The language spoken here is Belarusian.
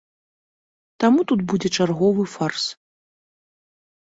Таму тут будзе чарговы фарс.